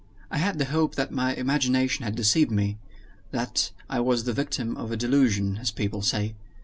I had the hope that my imagination had deceived me that I was the victim of a delusion, as people say.